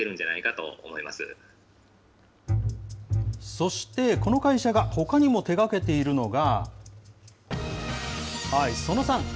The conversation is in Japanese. そして、この会社がほかにも手がけているのが。